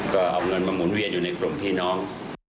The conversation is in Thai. ก็เอาเงินมาหมุนเวียนอยู่ในกลุ่มพี่น้อง